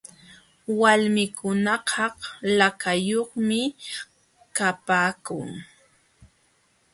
Walmikunakaq lakayuqmi kapaakun.